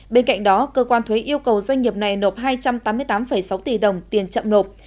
bên cạnh đó cơ quan thuế yêu cầu doanh nghiệp này nộp hai trăm tám mươi tám sáu tỷ đồng tiền chậm nộp